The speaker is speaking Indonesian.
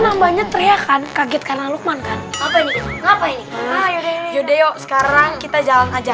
heriakan kaget karena lukman kanuli ngapain yodeo sekarang kita jalan aja